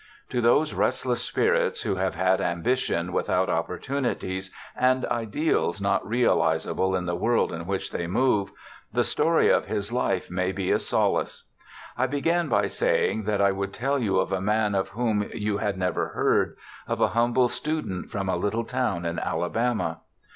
To those restless spirits who have had ambition without oppor tunities, and ideals not realizable in the world in which they move, the story of his life may be a solace. I began by saying that I would tell you of a man of whom you had never heard, of a humble student from a Uttle town in Alabama.